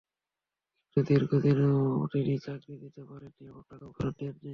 কিন্তু দীর্ঘ দিনেও তিনি চাকরি দিতে পারেননি এবং টাকাও ফেরত দেননি।